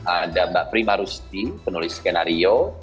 ada mbak prima rusti penulis skenario